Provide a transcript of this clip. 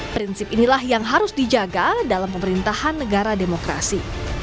prinsip inilah yang harus dijaga dalam pemerintahan negara demokrasi